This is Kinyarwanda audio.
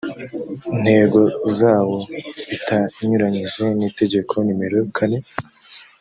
ntego zawo bitanyuranije n itegeko nimero kane